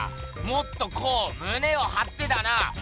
もっとこうむねをはってだな。